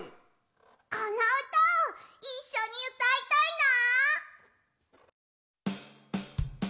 このうたをいっしょにうたいたいな！